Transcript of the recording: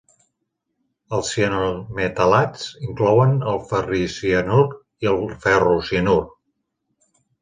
Els cianometal·lats inclouen el ferricianur i el ferrocianur.